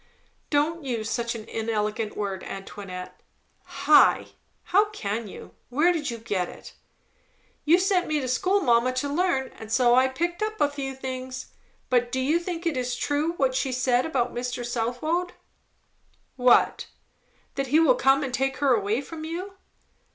"Don't use such an inelegant word, Antoinette. 'High!' How can you? Where did you get it?" "You send me to school, mamma, to learn; and so I pick up a few things. But do you think it is true, what she says about Mr. Southwode?" "What?" "That he will come and take her away from you."